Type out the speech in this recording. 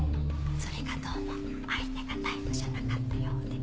それがどうも相手がタイプじゃなかったようで。